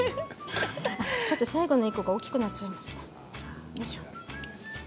ちょっと最後の１個が大きくなっちゃいました。